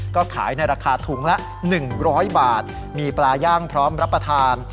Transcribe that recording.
ก็ขายในราคาถุงละ๑๐๐บาทมีปลาย่างพร้อมรับประทาน